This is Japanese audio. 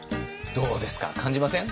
どうですか感じません？